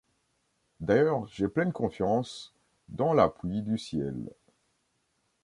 D’ailleurs, j’ai pleine confiance dans l’appui du Ciel.